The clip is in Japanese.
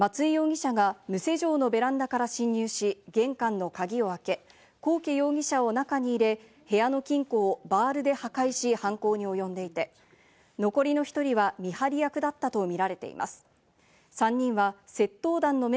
松居容疑者が無施錠のベランダから侵入し、玄関の鍵を開け、幸家容疑者を中に入れ、部屋の金庫をバールで破壊し犯行に及んでいて、残りの１人は見張り役だったとみられています。